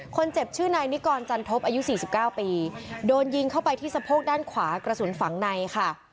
คนเจ็บชื่อนายนิกรจันทบอายุ๔๙ปีโดนยิงเข้าไปที่สะโพกด้านขวากระสุนฝังในค่ะ